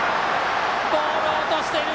ボールを落としている。